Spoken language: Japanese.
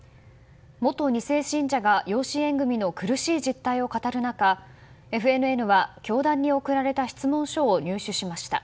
元２世信者が養子縁組の苦しい実態を語る中、ＦＮＮは教団に送られた質問書を入手しました。